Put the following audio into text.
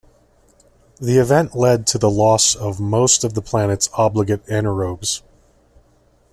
The event led to the loss of most of the planet's obligate anaerobes.